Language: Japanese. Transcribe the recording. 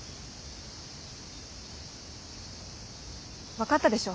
分かったでしょ？